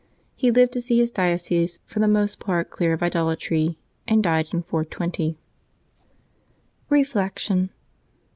He lived to see his diocese for the most part clear of idol atry, and died in 420. Reflection.